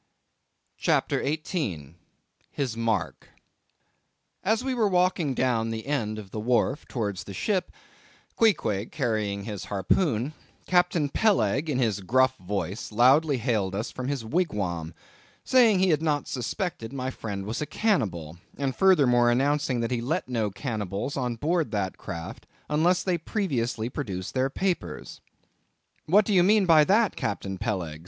CHAPTER 18. His Mark. As we were walking down the end of the wharf towards the ship, Queequeg carrying his harpoon, Captain Peleg in his gruff voice loudly hailed us from his wigwam, saying he had not suspected my friend was a cannibal, and furthermore announcing that he let no cannibals on board that craft, unless they previously produced their papers. "What do you mean by that, Captain Peleg?"